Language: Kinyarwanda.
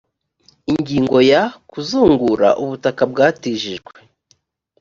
ingingo ya kuzungura ubutaka bwatishijwe